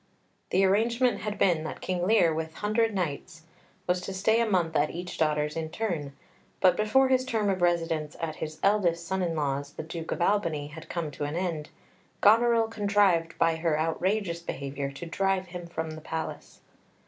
The arrangement had been that King Lear, with a hundred knights, was to stay a month at each daughter's in turn, but before his term of residence at his eldest son in law's, the Duke of Albany, had come to an end, Goneril contrived, by her outrageous behaviour, to drive him from the palace.